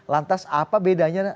lantas apa bedanya